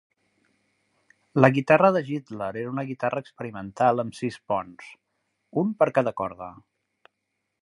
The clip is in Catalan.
La guitarra de Gittler era una guitarra experimental amb sis ponts, un per a cada corda.